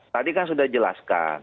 tadi kan sudah jelaskan